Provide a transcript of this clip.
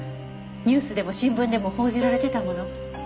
ニュースでも新聞でも報じられていたもの。